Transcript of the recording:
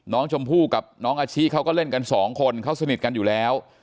น้องชมพู่กับน้องอาชิเขาก็เล่นกันสองคนเขาสนิทกันอยู่แล้ว